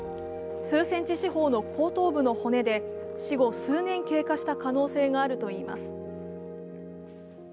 数センチ四方の後頭部の骨で、死後、数年経過した可能性があるといいます。